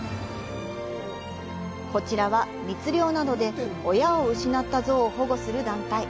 こちらは密猟などで親を失ったゾウを保護する団体。